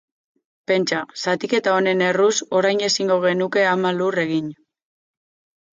Pentsa, zatiketa honen erruz, orain ezingo genuke Ama Lur egin.